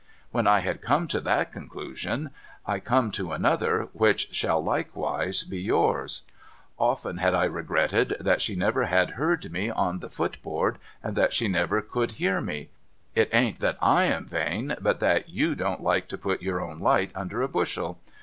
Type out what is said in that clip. When I had come to that conclusion, I come to another, which shall likewise be yours. 396 DOCTOR MARIGOLD Often liad I regretted that she never had heard me on the foot board, and that she never could hear me. It ain't that /am vain, but that iv// don't like to put your own light under a bushel.